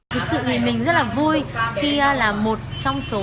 thực sự thì mình rất là vui khi là một trong số